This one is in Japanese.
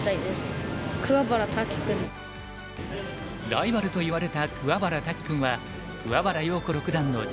ライバルといわれた桑原多喜くんは桑原陽子六段の次男。